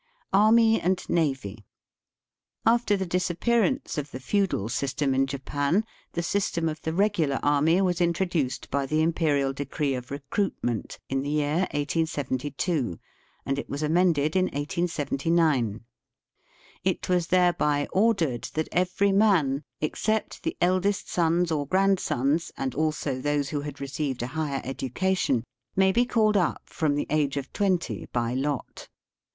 Army and Navy. — After the disappearance of the feudal system in Japan, the system of the regular army was introduced by the imperial decree of recruitment in the year 1872, and it was amended in 1879. It was thereby ordered that every man, except the eldest sons or grandsons, and also those who had received a higher education, may be called up from the age of twenty by lot.